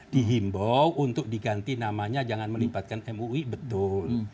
dihimbau untuk diganti namanya jangan melibatkan mui betul